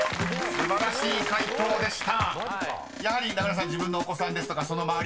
素晴らしい解答でした］